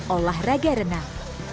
olah raga renang